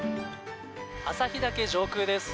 旭岳上空です。